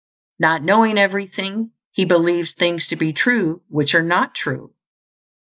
Not knowing everything, he believes things to be true which are not true.